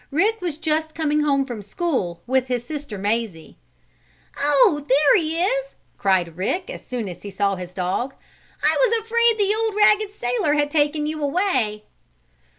Rick was just coming home from school, with his sister Mazie. "Oh, there he is!" cried Rick, as soon as he saw his dog. "I was afraid the old ragged sailor had taken you away."